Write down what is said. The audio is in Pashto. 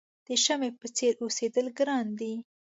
د شمعې په څېر اوسېدل ګران دي.